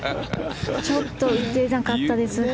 ちょっと打てなかったです。